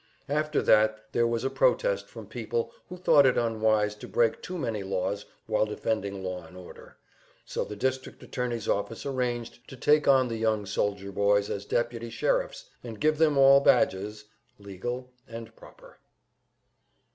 After that there was protest from people who thought it unwise to break too many laws while defending law and order, so the district attorney's office arranged to take on the young soldier boys as deputy sheriffs, and give them all badges, legal and proper.